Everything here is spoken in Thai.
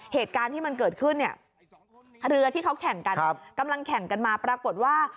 เหตุการณ์ที่มันเกิดขึ้นเนี่ยเรือที่เขาแข่งกันกำลังแข่งกันมาปรากฏว่า